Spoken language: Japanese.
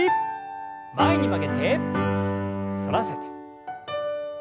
前に曲げて反らせて。